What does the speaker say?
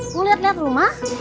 mau lihat lihat rumah